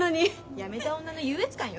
辞めた女の優越感よ